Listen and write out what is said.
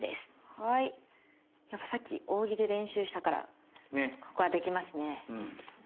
はいやっぱさっき扇で練習したからここはできますね。